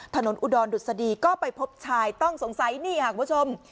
อุดรดุษฎีก็ไปพบชายต้องสงสัยนี่ค่ะคุณผู้ชม